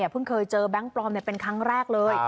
เพิ่งเคยเจอแบงค์ปลอมเป็นครั้งแรกเลย